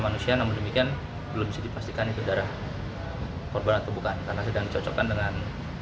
manusia namun demikian belum bisa dipastikan itu darah korban atau bukan karena sedang dicocokkan dengan